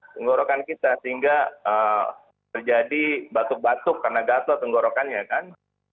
tenggorokan kita sehingga terjadi batuk batuk karena gatot tenggorokannya kan